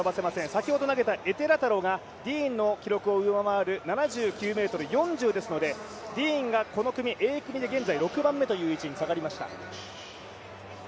先ほど投げたエテラタロがディーンの記録を上回る７９ｍ４０ですので、ディーンがこの組、Ａ組で６番目という位置に下がりました。